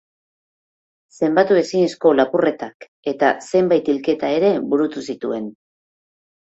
Zenbatu ezinezko lapurretak eta zenbait hilketa ere burutu zituen.